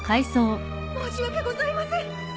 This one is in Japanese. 申し訳ございません